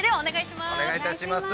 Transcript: ◆お願いいたします。